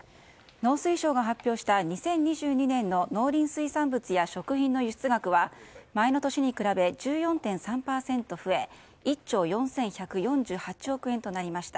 農水省が発表した２０２２年の農林水産物や食品の輸出額は前の年に比べ１４．３％増え１兆４１４８億円となりました。